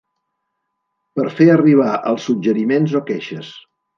Per fer arribar els suggeriments o queixes.